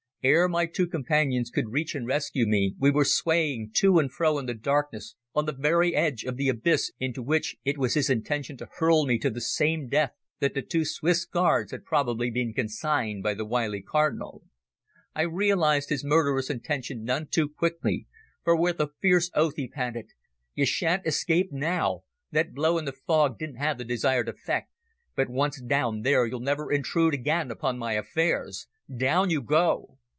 Ere my two companions could reach and rescue me we were swaying to and fro in the darkness on the very edge of the abyss into which it was his intention to hurl me to the same death that the two Swiss Guards had probably been consigned by the wily cardinal. I realised his murderous intention none too quickly, for with a fierce oath he panted "You sha'n't escape me now! That blow in the fog didn't have the desired effect, but once down there you'll never intrude again upon my affairs. Down you go!"